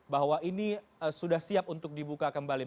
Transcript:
bahwa ini sudah siap untuk dibuka kembali